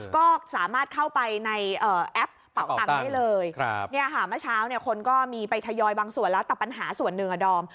ก็สามารถเข้าไปในแอปเป่าตังค์ได้เลยเมื่อเช้าเนี่ยคนก็มีไปทยอยบางส่วนแล้วแต่ปัญหาส่วนหนึ่งอ่ะดอม